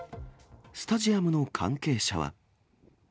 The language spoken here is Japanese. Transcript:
スタジアムの関係者は。